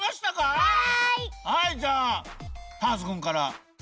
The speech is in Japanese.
はいじゃあターズくんから。